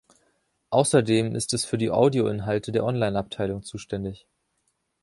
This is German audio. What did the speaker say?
Außerdem ist es für die Audioinhalte der Onlineabteilung zuständig.